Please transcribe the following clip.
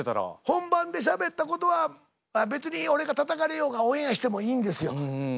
本番でしゃべったことは別に俺がたたかれようがオンエアしてもいいんですよ。